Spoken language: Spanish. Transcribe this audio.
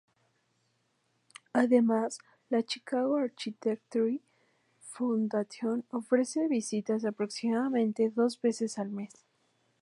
Además, la "Chicago Architecture Foundation" ofrece visitas aproximadamente dos veces al mes.